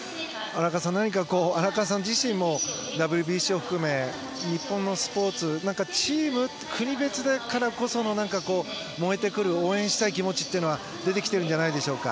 何か荒川さん自身もＷＢＣを含め日本のスポーツってチーム、国別だからこその燃えてくる応援したい気持ちが出てきているんじゃないでしょうか。